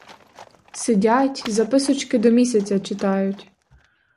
Сидять, записочки до місяця читають.